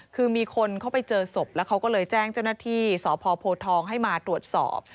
คือมีคนเข้าไปเจอศพแล้วเขาก็เลยแจ้งเจ้าหน้าที่สพโพทองให้มาตรวจสอบ